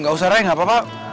gak usah ray gak apa apa